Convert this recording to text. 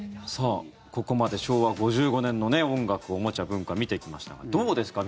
ここまで昭和５５年の音楽、おもちゃ、文化見てきましたがどうですか？